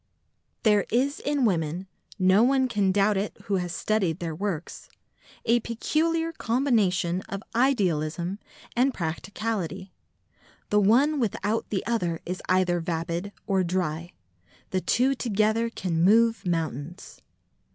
There is in women—no one can doubt it who has studied their works—a peculiar combination of idealism and practicality. The one without the other is either vapid or dry: the two together can move mountains.